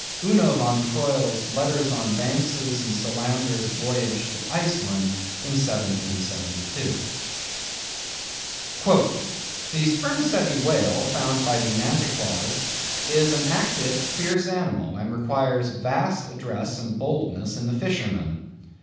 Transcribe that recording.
—Uno Von Troil's Letters on Banks's and Solander's Voyage to Iceland in 1772. "The Spermacetti Whale found by the Nantuckois, is an active, fierce animal, and requires vast address and boldness in the fishermen."